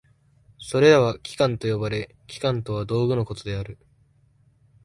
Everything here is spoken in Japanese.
それらは器官と呼ばれ、器官とは道具のことである。